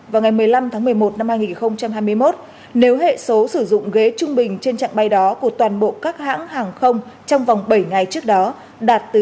vào ngày một mươi năm tháng một mươi một năm hai nghìn hai mươi một nếu hệ số sử dụng ghế trung bình trên trạng bay đó của toàn bộ các hãng hàng không trong vòng bảy ngày trước đó đạt từ bảy mươi năm trở lên